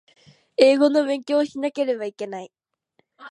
英語の勉強をしなければいけない